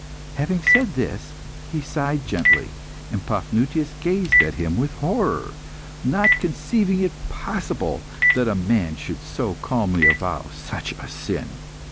Having said this, he sighed gently. And Paphnutius gazed at him with horror, not conceiving it possible that a man should so calmly avow such a sin.